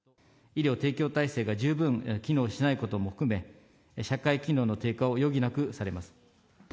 医療提供体制が十分機能しないことも含め、社会機能の低下を余儀なくされます。